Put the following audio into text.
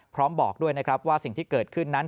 บอกด้วยนะครับว่าสิ่งที่เกิดขึ้นนั้น